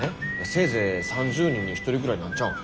せいぜい３０人に１人ぐらいなんちゃうん。